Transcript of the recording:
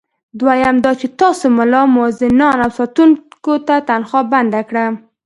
دویم دا چې تاسي ملا، مؤذنانو او ساتونکو ته تنخوا بنده کړه.